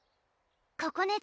ここね